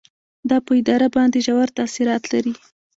دا په اداره باندې ژور تاثیرات لري.